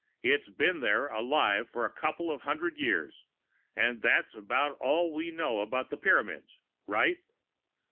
It has been there, alive, for a couple of hundred years; and that's about all we know about the Pyramids. Right?"